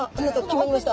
決まりました。